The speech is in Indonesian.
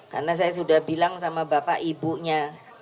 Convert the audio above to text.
karena saya sudah bilang sama bapak ibunya